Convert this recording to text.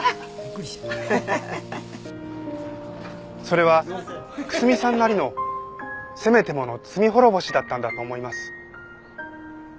それは楠見さんなりのせめてもの罪滅ぼしだったんだと思います。